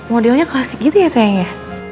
modelnya klasik gitu ya sayangnya